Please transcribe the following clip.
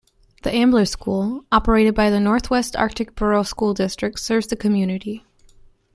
The Ambler School, operated by the Northwest Arctic Borough School District, serves the community.